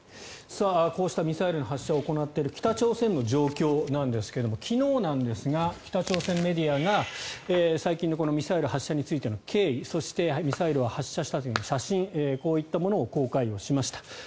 こうしたミサイル発射を行っている北朝鮮の状況なんですが昨日なんですが北朝鮮メディアが最近のミサイル発射についての経緯そして、ミサイルを発射した時の写真こういったものを公開しました。